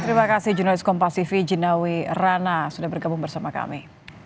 terima kasih jurnalis kompasifi jinawi rana sudah bergabung bersama kami